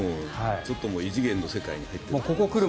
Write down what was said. ちょっと異次元の世界に入っている。